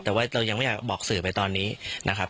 แต่ว่าเรายังไม่อยากบอกสื่อไปตอนนี้นะครับ